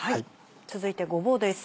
続いてごぼうです